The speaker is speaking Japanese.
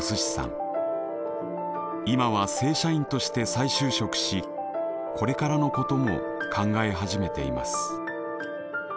今は正社員として再就職しこれからのことも考え始めています。